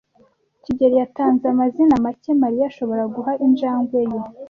kigeli yatanze amazina make Mariya ashobora guha injangwe ye.